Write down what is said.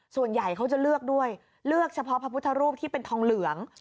ส่วนใหญ่เขาจะเลือกด้วยเลือกเฉพาะพระพุทธรูปที่เป็นทองเหลือง